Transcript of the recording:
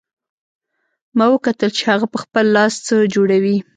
ما وکتل چې هغه په خپل لاس څه جوړوي